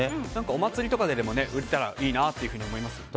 お祭りとかでも売ったらいいのになと思いますよね。